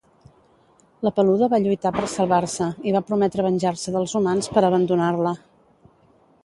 La Peluda va lluitar per salvar-se i va prometre venjar-se dels humans per abandonar-la